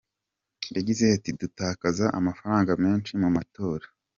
Yagize ati “Dutakaza amafaranga menshi mu matora.